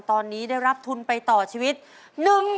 ตอนนี้ได้รับคำสั่งของคุณกบ